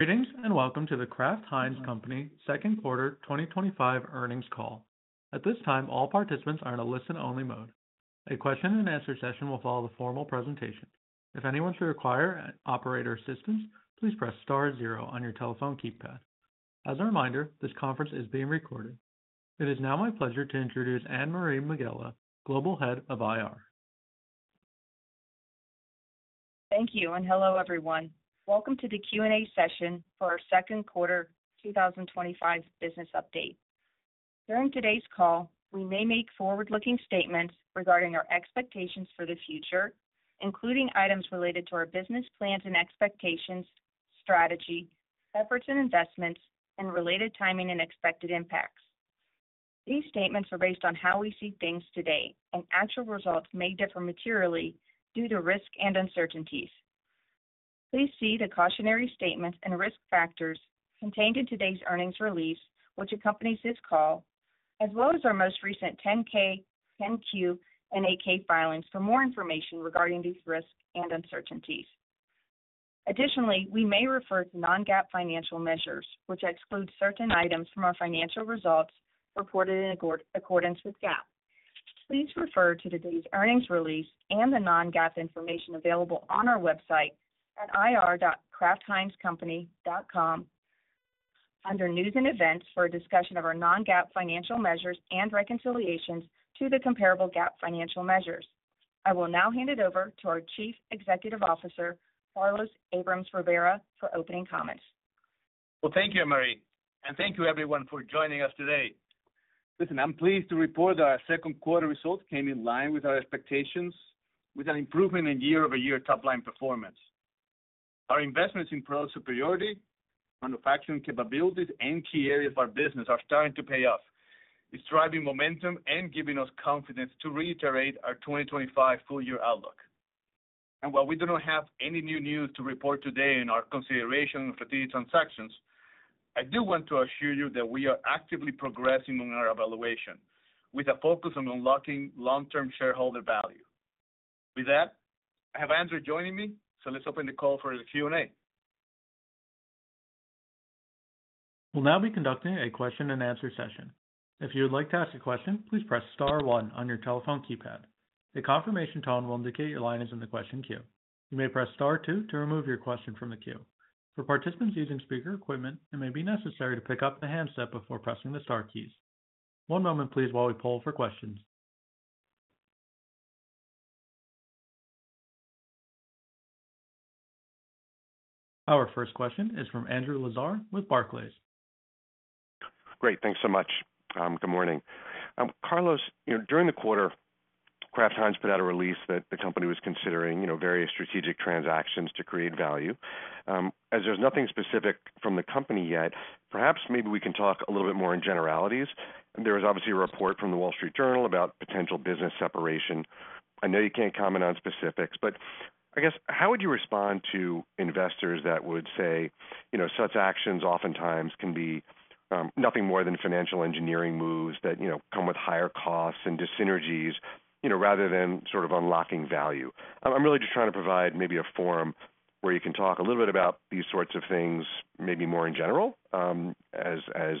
Greetings and welcome to The Kraft Heinz Company second quarter 2025 earnings call. At this time, all participants are in a listen-only mode. A question-and-answer session will follow the formal presentation. If anyone should require operator assistance, please press star zero on your telephone keypad. As a reminder, this conference is being recorded. It is now my pleasure to introduce Anne-Marie Megela, Global Head of IR. Thank you, and hello everyone. Welcome to the Q&A session for our second quarter 2025 business update. During today's call, we may make forward-looking statements regarding our expectations for the future, including items related to our business plans and expectations, strategy, efforts and investments, and related timing and expected impacts. These statements are based on how we see things today, and actual results may differ materially due to risk and uncertainties. Please see the cautionary statements and risk factors contained in today's earnings release, which accompanies this call, as well as our most recent 10-K, 10-Q, and 8-K filings for more information regarding these risks and uncertainties. Additionally, we may refer to non-GAAP financial measures, which exclude certain items from our financial results reported in accordance with GAAP. Please refer to today's earnings release and the non-GAAP information available on our website at ir.kraftheinzcompany.com under news and events for a discussion of our non-GAAP financial measures and reconciliations to the comparable GAAP financial measures. I will now hand it over to our Chief Executive Officer, Carlos Abrams-Rivera, for opening comments. Thank you, Anne-Marie, and thank you everyone for joining us today. Listen, I'm pleased to report that our second quarter results came in line with our expectations, with an improvement in year-over-year top-line performance. Our investments in product superiority, manufacturing capabilities, and key areas of our business are starting to pay off, driving momentum and giving us confidence to reiterate our 2025 full-year outlook. While we do not have any new news to report today in our consideration of strategic transactions, I do want to assure you that we are actively progressing on our evaluation with a focus on unlocking long-term shareholder value. With that, I have Andre joining me, so let's open the call for the Q&A. We'll now be conducting a question-and-answer session. If you would like to ask a question, please press star one on your telephone keypad. The confirmation tone will indicate your line is in the question queue. You may press star two to remove your question from the queue. For participants using speaker equipment, it may be necessary to pick up the handset before pressing the star keys. One moment, please, while we poll for questions. Our first question is from Andrew Lazar with Barclays. Great. Thanks so much. Good morning. Carlos, during the quarter, Kraft Heinz put out a release that the company was considering various strategic transactions to create value. As there's nothing specific from the company yet, perhaps maybe we can talk a little bit more in generalities. There was obviously a report from The Wall Street Journal about potential business separation. I know you can't comment on specifics, but I guess how would you respond to investors that would say such actions oftentimes can be nothing more than financial engineering moves that come with higher costs and dyssynergies rather than sort of unlocking value? I'm really just trying to provide maybe a forum where you can talk a little bit about these sorts of things, maybe more in general, as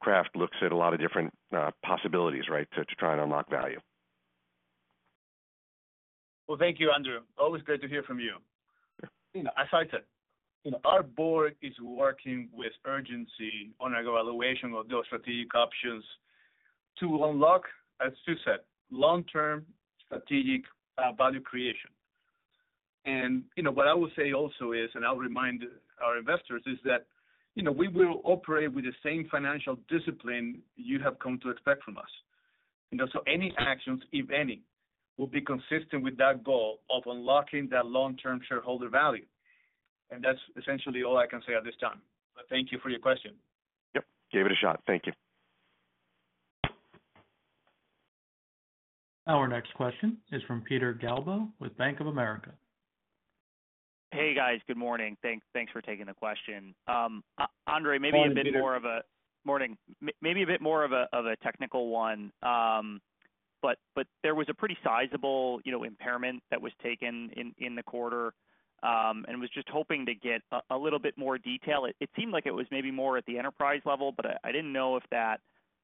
Kraft looks at a lot of different possibilities, right, to try and unlock value. Thank you, Andrew. Always great to hear from you. As I said, our board is working with urgency on our evaluation of those strategic options to unlock, as you said, long-term strategic value creation. What I will say also is, and I'll remind our investors, is that we will operate with the same financial discipline you have come to expect from us. Any actions, if any, will be consistent with that goal of unlocking that long-term shareholder value. That's essentially all I can say at this time. Thank you for your question. Yep. Gave it a shot. Thank you. Our next question is from Peter Galbo with Bank of America. Hey, guys. Good morning. Thanks for taking the question. Morning. Maybe a bit more of a. Morning. Maybe a bit more of a technical one. There was a pretty sizable impairment that was taken in the quarter, and was just hoping to get a little bit more detail. It seemed like it was maybe more at the enterprise level, but I did not know if that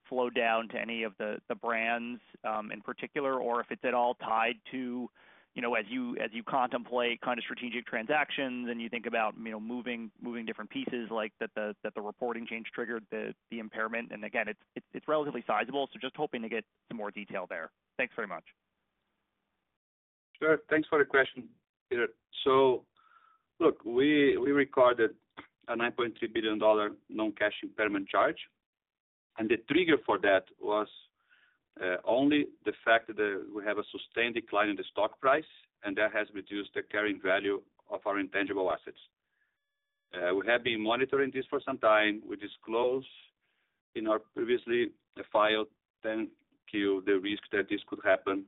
flowed down to any of the brands in particular or if it is at all tied to, as you contemplate kind of strategic transactions and you think about moving different pieces, like that the reporting change triggered the impairment. Again, it is relatively sizable, so just hoping to get some more detail there. Thanks very much. Sure. Thanks for the question. Look, we recorded a $9.3 billion non-cash impairment charge, and the trigger for that was only the fact that we have a sustained decline in the stock price, and that has reduced the carrying value of our intangible assets. We have been monitoring this for some time. We disclosed in our previously filed 10-Q the risk that this could happen.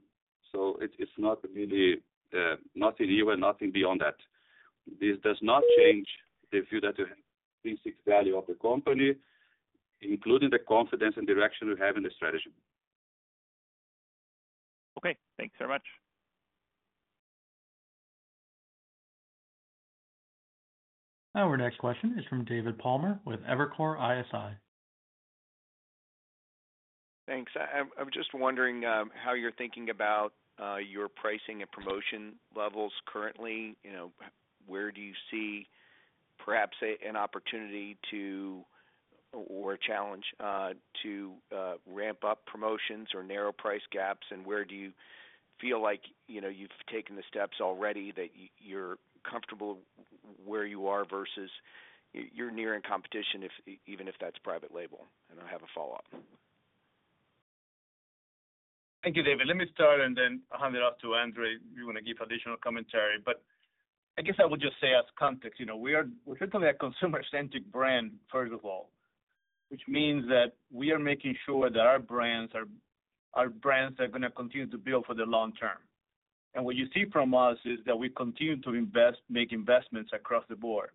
It is not really anything new and nothing beyond that. This does not change the view that we have of the company, including the confidence and direction we have in the strategy. Okay. Thanks very much. Our next question is from David Palmer with Evercore ISI. Thanks. I'm just wondering how you're thinking about your pricing and promotion levels currently. Where do you see perhaps an opportunity to, or a challenge to, ramp up promotions or narrow price gaps? Where do you feel like you've taken the steps already that you're comfortable where you are versus you're near in competition, even if that's private label? I have a follow-up. Thank you, David. Let me start, and then hand it off to Andre who may give additional commentary. I guess I would just say as context, we're certainly a consumer-centric brand, first of all, which means that we are making sure that our brands are brands that are going to continue to build for the long term. What you see from us is that we continue to make investments across the board.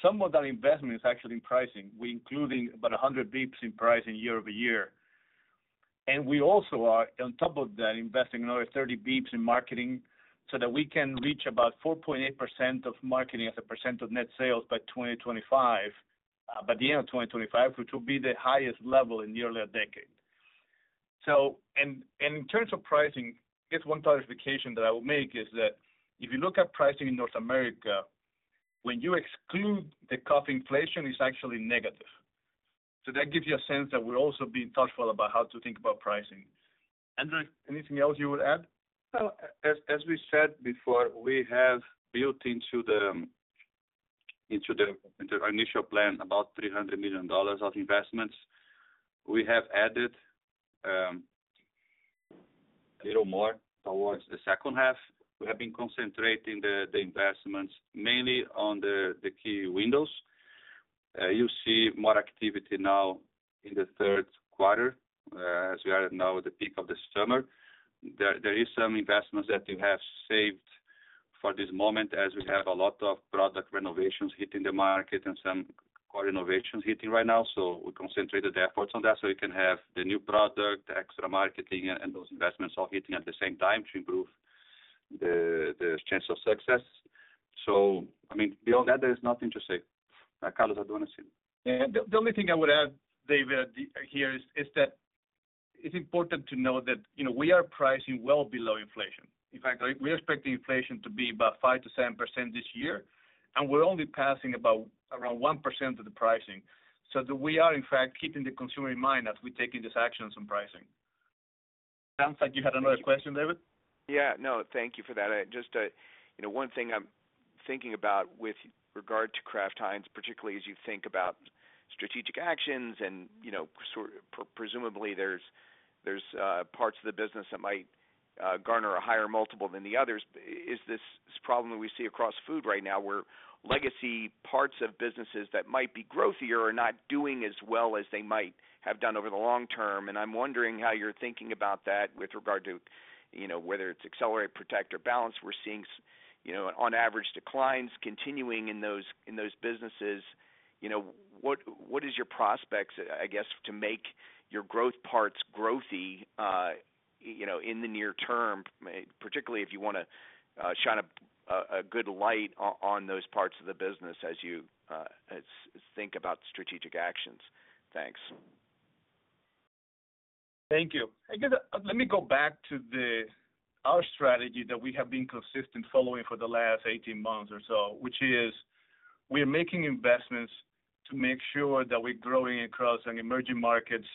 Some of that investment is actually in pricing. We're including about 100 basis points in price year-over-year. We also are, on top of that, investing another 30 basis points in marketing so that we can reach about 4.8% of marketing as a percent of net sales by 2025. By the end of 2025, which will be the highest level in nearly a decade. In terms of pricing, I guess one clarification that I will make is that if you look at pricing in North America, when you exclude the cost of production inflation, it's actually negative. That gives you a sense that we're also being thoughtful about how to think about pricing. Andre, anything else you would add? As we said before, we have built into the initial plan about $300 million of investments. We have added a little more towards the second half. We have been concentrating the investments mainly on the key windows. You see more activity now in the third quarter as we are now at the peak of the summer. There are some investments that you have saved for this moment as we have a lot of product renovations hitting the market and some core innovations hitting right now. We concentrated the efforts on that so you can have the new product, the extra marketing, and those investments all hitting at the same time to improve the chance of success. I mean, beyond that, there is nothing to say. Carlos, I do not want to see. Yeah. The only thing I would add, David, here is that it's important to know that we are pricing well below inflation. In fact, we're expecting inflation to be about 5%-7% this year, and we're only passing about around 1% of the pricing. So we are, in fact, keeping the consumer in mind as we're taking these actions on pricing. Sounds like you had another question, David? Yeah. No, thank you for that. Just one thing I'm thinking about with regard to Kraft Heinz, particularly as you think about strategic actions. Presumably there are parts of the business that might garner a higher multiple than others. Is this problem that we see across food right now where legacy parts of businesses that might be growthier are not doing as well as they might have done over the long term? I'm wondering how you're thinking about that with regard to whether it's accelerate, protect, or balance. We're seeing, on average, declines continuing in those businesses. What is your prospects, I guess, to make your growth parts growthy in the near term, particularly if you want to shine a good light on those parts of the business as you think about strategic actions? Thanks. Thank you. I guess let me go back to our strategy that we have been consistent following for the last 18 months or so, which is we are making investments to make sure that we're growing across emerging markets,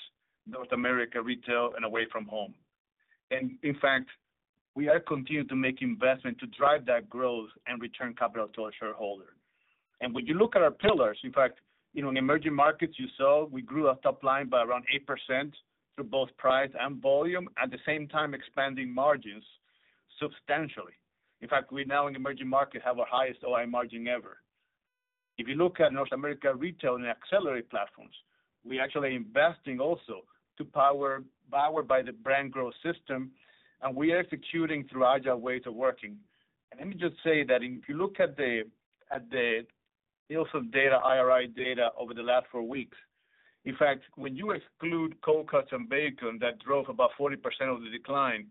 North America, retail, and away from home. In fact, we are continuing to make investments to drive that growth and return capital to our shareholders. When you look at our pillars, in fact, in emerging markets, you saw we grew our top line by around 8% through both price and volume, at the same time expanding margins substantially. In fact, we now, in emerging markets, have our highest OI margin ever. If you look at North America retail and accelerate platforms, we are actually investing also to power by the brand growth system, and we are executing through agile ways of working. Let me just say that if you look at some data, IRI data over the last four weeks, in fact, when you exclude cold cuts and bacon that drove about 40% of the decline,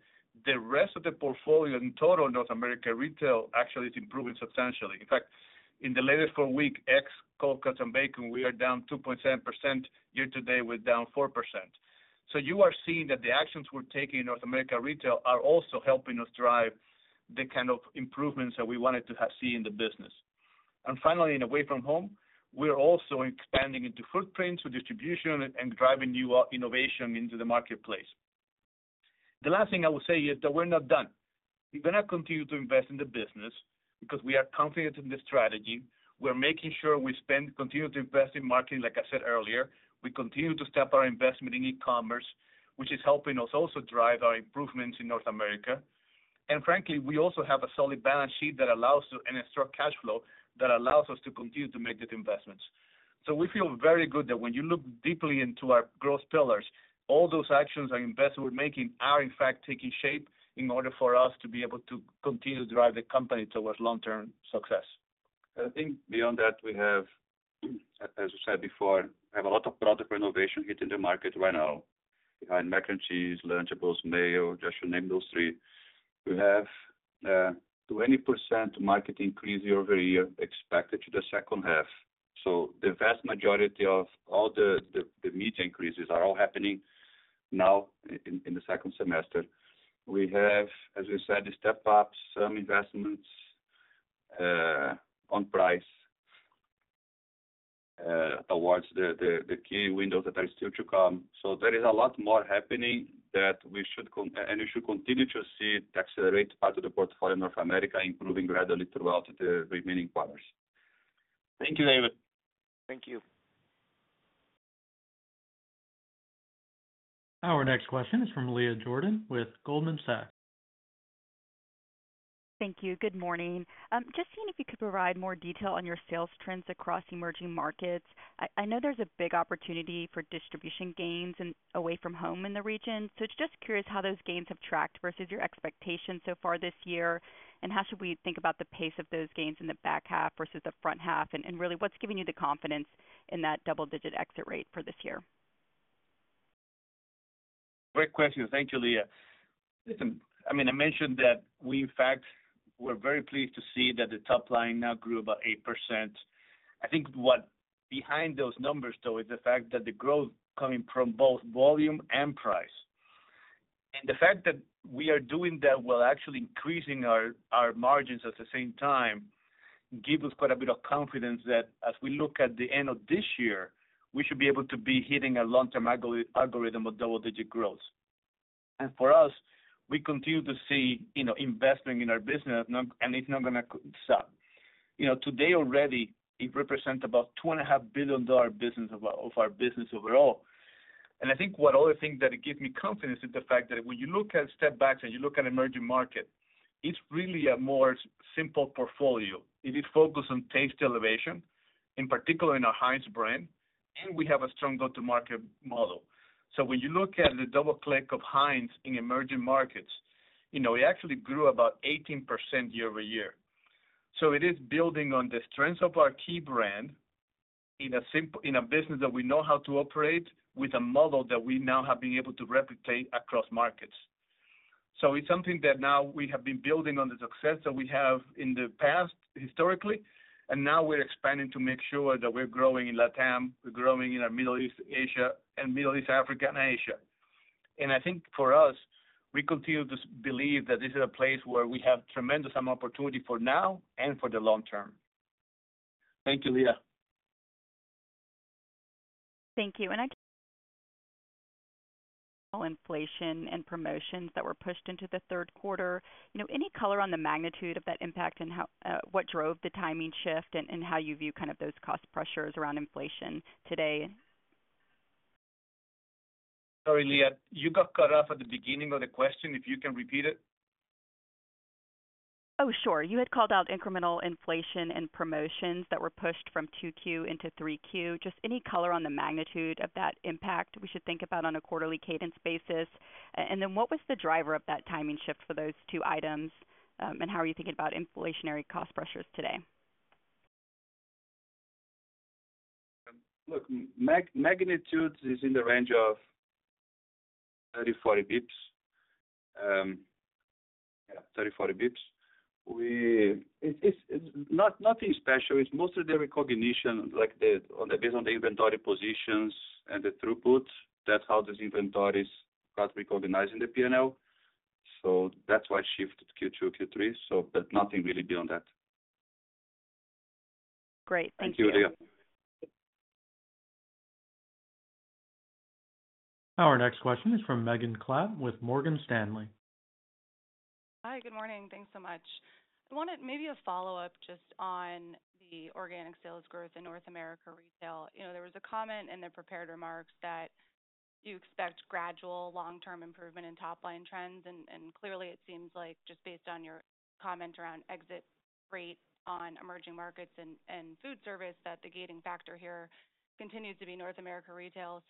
the rest of the portfolio in total North America retail actually is improving substantially. In fact, in the latest four weeks, ex. cold cuts and bacon, we are down 2.7% year to date, with down 4%. You are seeing that the actions we're taking in North America retail are also helping us drive the kind of improvements that we wanted to see in the business. Finally, in away from home, we are also expanding into footprints and distribution and driving new innovation into the marketplace. The last thing I will say is that we're not done. We're going to continue to invest in the business because we are confident in the strategy. We're making sure we continue to invest in marketing, like I said earlier. We continue to step our investment in e-commerce, which is helping us also drive our improvements in North America. Frankly, we also have a solid balance sheet that allows us and a strong cash flow that allows us to continue to make these investments. We feel very good that when you look deeply into our growth pillars, all those actions and investments we're making are, in fact, taking shape in order for us to be able to continue to drive the company towards long-term success. I think beyond that, we have, as we said before, we have a lot of product renovation hitting the market right now behind Mac & Cheese, Lunchables, Mayo, just to name those three. We have a 20% market increase year-over-year expected to the second half. The vast majority of all the media increases are all happening now in the second semester. We have, as we said, the step-ups, some investments on price towards the key windows that are still to come. There is a lot more happening that we should continue to see accelerate part of the portfolio in North America improving gradually throughout the remaining quarters. Thank you, David. Thank you. Our next question is from Leah Jordan with Goldman Sachs. Thank you. Good morning. Just seeing if you could provide more detail on your sales trends across emerging markets. I know there is a big opportunity for distribution gains and away from home in the region. Just curious how those gains have tracked versus your expectations so far this year, and how should we think about the pace of those gains in the back half versus the front half? Really, what is giving you the confidence in that double-digit exit rate for this year? Great question. Thank you, Leah. Listen, I mean, I mentioned that we, in fact, were very pleased to see that the top line now grew about 8%. I think what's behind those numbers, though, is the fact that the growth is coming from both volume and price. The fact that we are doing that while actually increasing our margins at the same time gives us quite a bit of confidence that as we look at the end of this year, we should be able to be hitting a long-term algorithm of double-digit growth. For us, we continue to see investment in our business, and it's not going to stop. Today already, it represents about $2.5 billion business of our business overall. I think one other thing that gives me confidence is the fact that when you look at step-backs and you look at emerging markets, it's really a more simple portfolio. It is focused on taste elevation, in particular in our Heinz brand, and we have a strong go-to-market model. When you look at the double-click of Heinz in emerging markets, it actually grew about 18% year-over-year. It is building on the strengths of our key brand. In a business that we know how to operate with a model that we now have been able to replicate across markets. It is something that now we have been building on the success that we have in the past, historically, and now we're expanding to make sure that we're growing in LatAm, we're growing in our Middle East, Asia, and Middle East, Africa, and Asia. I think for us, we continue to believe that this is a place where we have tremendous opportunity for now and for the long term. Thank you, Leah. Thank you. I [audio disruption] inflation and promotions that were pushed into the third quarter. Any color on the magnitude of that impact and what drove the timing shift and how you view kind of those cost pressures around inflation today? Sorry, Leah. You got cut off at the beginning of the question. If you can repeat it. Oh, sure. You had called out incremental inflation and promotions that were pushed from 2Q into 3Q. Just any color on the magnitude of that impact we should think about on a quarterly cadence basis. What was the driver of that timing shift for those two items, and how are you thinking about inflationary cost pressures today? Look, magnitude is in the range of 30-40 basis points. Yeah, 30-40 basis points. Nothing special. It's mostly the recognition based on the inventory positions and the throughput. That's how these inventories got recognized in the P&L. That's why it shifted Q2, Q3. Nothing really beyond that. Great. Thank you. Thank you, Leah. Our next question is from Megan Clapp with Morgan Stanley. Hi, good morning. Thanks so much. I wanted maybe a follow-up just on the organic sales growth in North America retail. There was a comment in the prepared remarks that you expect gradual long-term improvement in top line trends. Clearly, it seems like just based on your comment around exit rate on emerging markets and food service that the gating factor here continues to be North America retail.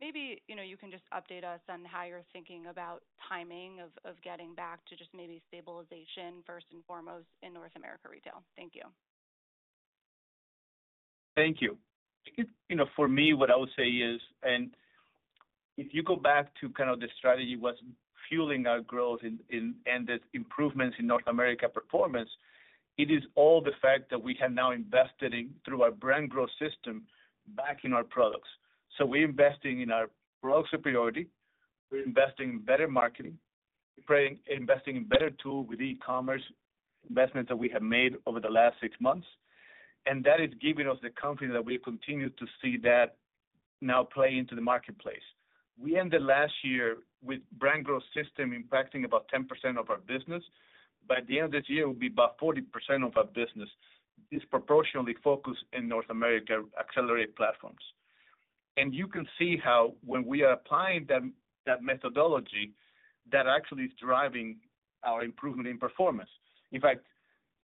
Maybe you can just update us on how you're thinking about timing of getting back to just maybe stabilization first and foremost in North America retail. Thank you. Thank you. For me, what I would say is, if you go back to kind of the strategy that was fueling our growth and the improvements in North America performance, it is all the fact that we have now invested through our brand growth system back in our products. We are investing in our products of priority. We are investing in better marketing. We are investing in better tools with e-commerce investments that we have made over the last six months. That is giving us the confidence that we continue to see that now play into the marketplace. We ended last year with brand growth system impacting about 10% of our business. By the end of this year, it will be about 40% of our business, disproportionately focused in North America accelerated platforms. You can see how when we are applying that methodology, that actually is driving our improvement in performance. In fact,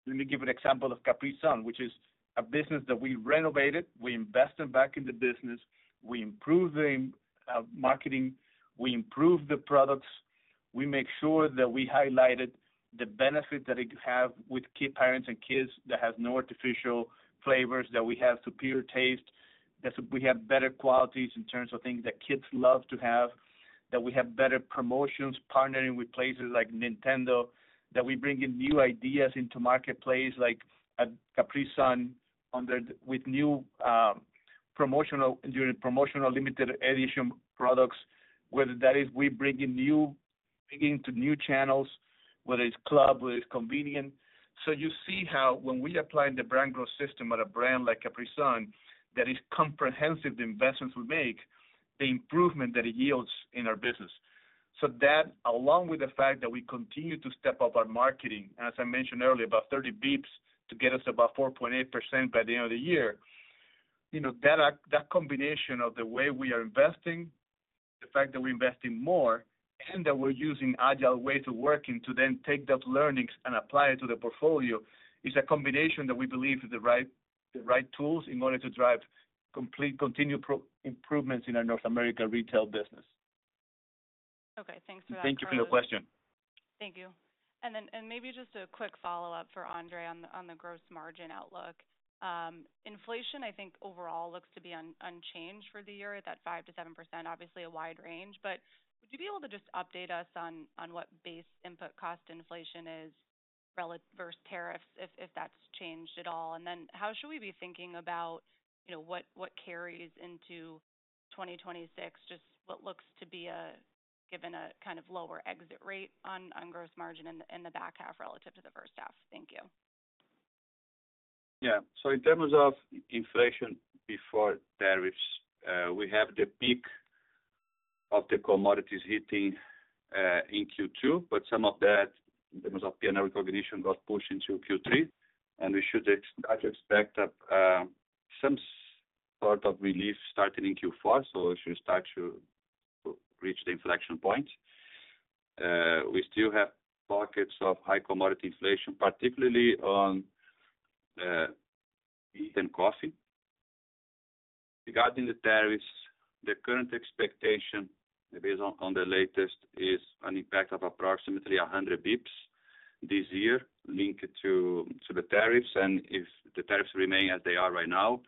let me give you an example of Capri Sun, which is a business that we renovated. We invested back in the business. We improved the marketing. We improved the products. We make sure that we highlighted the benefits that it has with parents and kids, that it has no artificial flavors, that we have superior taste, that we have better qualities in terms of things that kids love to have, that we have better promotions partnering with places like Nintendo, that we bring in new ideas into the marketplace like Capri-Sun with new promotional limited edition products, whether that is we bring in new channels, whether it is club, whether it is convenient. You see how when we apply the brand growth system at a brand like Capri-Sun that is comprehensive, the investments we make, the improvement that it yields in our business. That, along with the fact that we continue to step up our marketing, as I mentioned earlier, about 30 basis points to get us about 4.8% by the end of the year, that combination of the way we are investing, the fact that we are investing more, and that we are using agile ways of working to then take those learnings and apply it to the portfolio is a combination that we believe is the right tools in order to drive continued improvements in our North America retail business. Okay. Thanks for that. Thank you for your question. Thank you. And then maybe just a quick follow-up for Andre on the gross margin outlook. Inflation, I think overall looks to be unchanged for the year at that 5%-7%, obviously a wide range. But would you be able to just update us on what base input cost inflation is versus tariffs, if that's changed at all? And then how should we be thinking about what carries into 2026, just what looks to be given a kind of lower exit rate on gross margin in the back half relative to the first half? Thank you. Yeah. In terms of inflation before tariffs. We have the peak of the commodities hitting in Q2, but some of that in terms of P&L recognition got pushed into Q3. We should start to expect some part of relief starting in Q4. We should start to reach the inflection points. We still have pockets of high commodity inflation, particularly on beef and coffee. Regarding the tariffs, the current expectation based on the latest is an impact of approximately 100 basis points this year linked to the tariffs. If the tariffs remain as they are right now,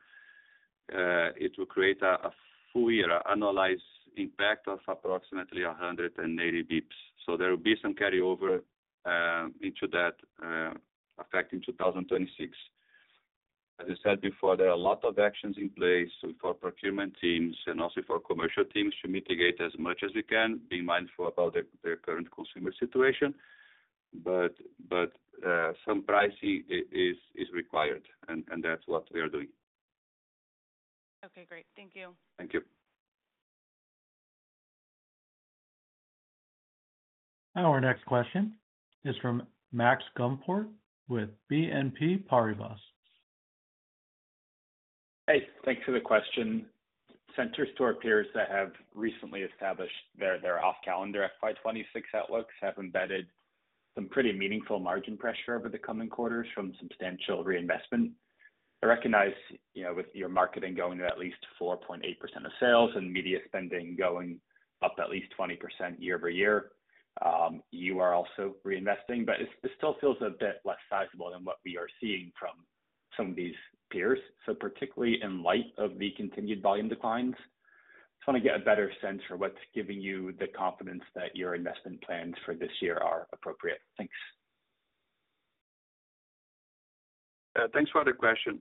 it will create a full-year analyzed impact of approximately 180 basis points. There will be some carryover into that, affecting 2026. As I said before, there are a lot of actions in place for procurement teams and also for commercial teams to mitigate as much as we can, being mindful about the current consumer situation. Some pricing is required, and that's what we are doing. Okay. Great. Thank you. Thank you. Our next question is from Max Gumport with BNP Paribas. Hey, thanks for the question. Center Store peers that have recently established their off-calendar FY2026 outlooks have embedded some pretty meaningful margin pressure over the coming quarters from substantial reinvestment. I recognize with your marketing going to at least 4.8% of sales and media spending going up at least 20% year-over-year, you are also reinvesting. It still feels a bit less sizable than what we are seeing from some of these peers. Particularly in light of the continued volume declines, I just want to get a better sense for what's giving you the confidence that your investment plans for this year are appropriate. Thanks. Thanks for the question.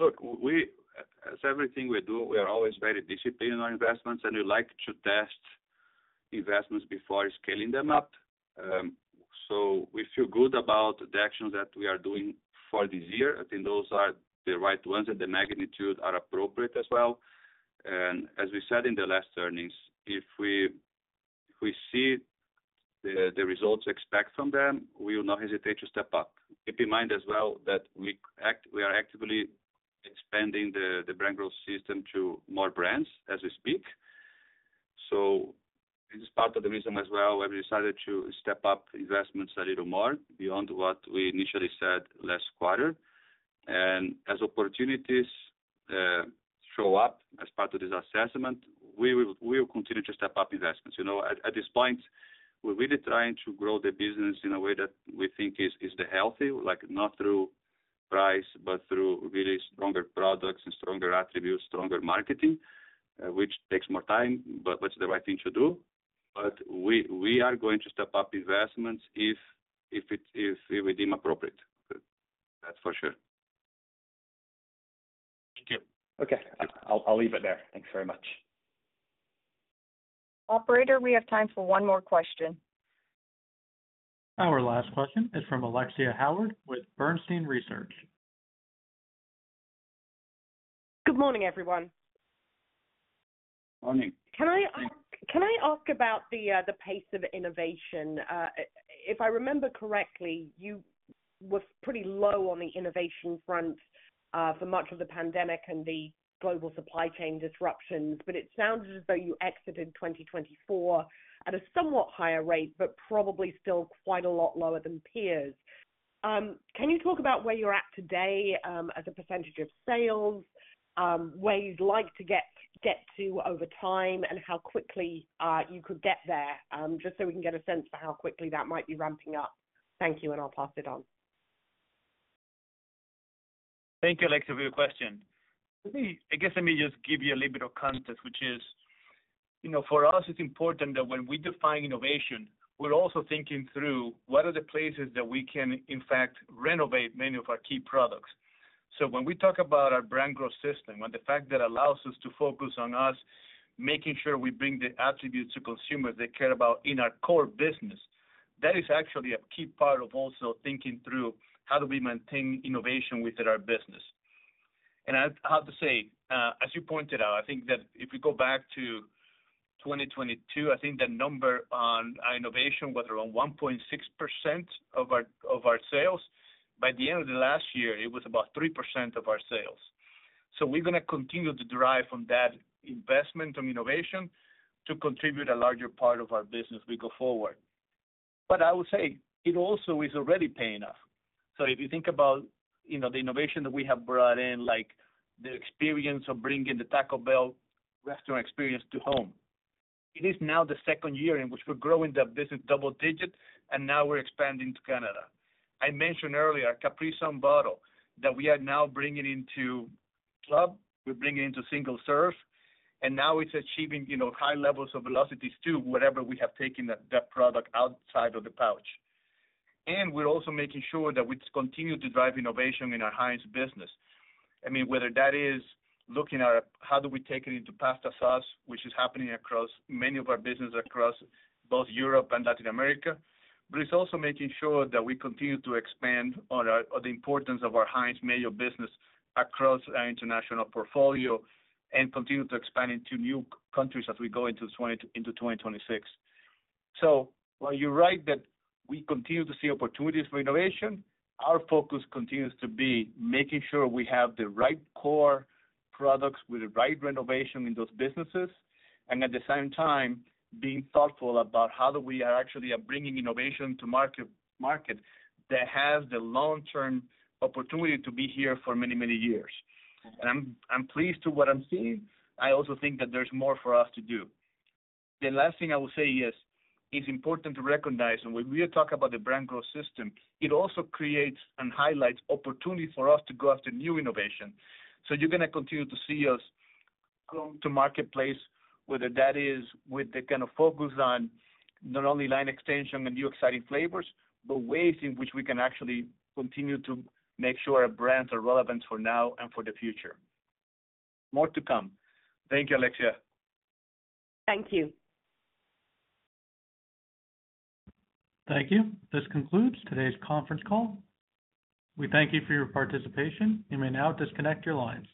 Look, as everything we do, we are always very disciplined on investments, and we like to test investments before scaling them up. We feel good about the actions that we are doing for this year. I think those are the right ones, and the magnitude is appropriate as well. As we said in the last earnings, if we see the results we expect from them, we will not hesitate to step up. Keep in mind as well that we are actively expanding the brand growth system to more brands as we speak. This is part of the reason as well why we decided to step up investments a little more beyond what we initially said last quarter. As opportunities show up as part of this assessment, we will continue to step up investments. At this point, we're really trying to grow the business in a way that we think is healthy, not through price, but through really stronger products and stronger attributes, stronger marketing, which takes more time, but it's the right thing to do. We are going to step up investments if we deem appropriate. That's for sure. Thank you. Okay. I'll leave it there. Thanks very much. Operator, we have time for one more question. Our last question is from Alexia Howard with Bernstein Research. Good morning, everyone. Morning. Can I ask about the pace of innovation? If I remember correctly, you were pretty low on the innovation front for much of the pandemic and the global supply chain disruptions. It sounds as though you exited 2024 at a somewhat higher rate, but probably still quite a lot lower than peers. Can you talk about where you're at today as a percentage of sales, where you'd like to get to over time, and how quickly you could get there, just so we can get a sense for how quickly that might be ramping up? Thank you, and I'll pass it on. Thank you, Alexia, for your question. I guess let me just give you a little bit of context, which is, for us, it's important that when we define innovation, we're also thinking through what are the places that we can, in fact, renovate many of our key products. When we talk about our brand growth system and the fact that it allows us to focus on us, making sure we bring the attributes to consumers they care about in our core business, that is actually a key part of also thinking through how do we maintain innovation within our business. I have to say, as you pointed out, I think that if we go back to 2022, I think the number on our innovation, whether on 1.6% of our sales, by the end of the last year, it was about 3% of our sales. We're going to continue to drive on that investment on innovation to contribute a larger part of our business as we go forward. I would say it also is already paying off. If you think about the innovation that we have brought in, like the experience of bringing the Taco Bell restaurant experience to home, it is now the second year in which we're growing the business double digit, and now we're expanding to Canada. I mentioned earlier, Capri-Sun Bottle that we are now bringing into club, we're bringing into single serve, and now it's achieving high levels of velocity to wherever we have taken that product outside of the pouch. We're also making sure that we continue to drive innovation in our Heinz business. I mean, whether that is looking at how do we take it into pasta sauce, which is happening across many of our businesses across both Europe and Latin America. It's also making sure that we continue to expand on the importance of our Heinz manual business across our international portfolio and continue to expand into new countries as we go into 2026. While you're right that we continue to see opportunities for innovation, our focus continues to be making sure we have the right core products with the right renovation in those businesses. At the same time, being thoughtful about how do we are actually bringing innovation to market that has the long-term opportunity to be here for many, many years. I'm pleased with what I'm seeing. I also think that there's more for us to do. The last thing I would say is it's important to recognize when we talk about the brand growth system, it also creates and highlights opportunities for us to go after new innovation. You're going to continue to see us. Going to marketplace, whether that is with the kind of focus on not only line extension and new exciting flavors, but ways in which we can actually continue to make sure our brands are relevant for now and for the future. More to come. Thank you, Alexia. Thank you. Thank you. This concludes today's conference call. We thank you for your participation. You may now disconnect your lines.